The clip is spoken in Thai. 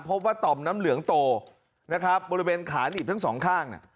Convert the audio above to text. ต่อมน้ำเหลืองโตนะครับบริเวณขาหนีบทั้งสองข้าง